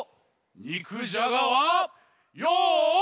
にくじゃがはよっ！